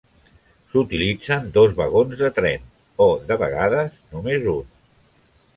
S'utilitzen dos vagons de tren o, de vegades, només un.